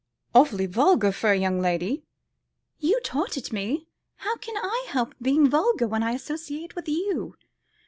"Awfully vulgar for a young lady." "You taught it me. How can I help being vulgar when I associate with you?